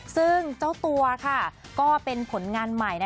ซึ่งเจ้าตัวก็เป็นผลงานใหม่